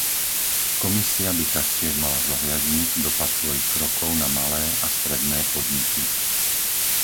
Komisia by taktiež mala zohľadniť dopad svojich krokov na malé a stredné podniky.